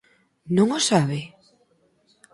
Non o sabe?